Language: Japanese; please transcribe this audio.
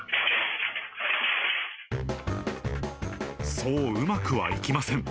そう、うまくはいきません。